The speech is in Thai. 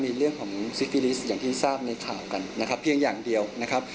มีเรื่องของซิฟิลิสต์อย่างที่ทราบในข่าวกันนะครับเพียงอย่างเดียวนะครับ